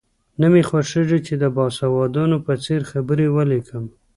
نه مې خوښېږي چې د باسوادانو په څېر خبرې ولیکم.